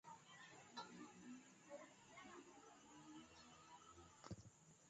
How man pikin go marry dis kind wife.